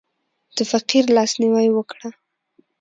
د فقیر لاس نیوی وکړه.